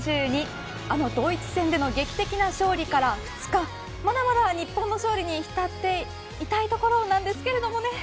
ドイツ戦での劇的な勝利から２日まだまだ日本の勝利に浸っていたいそうなんですよ。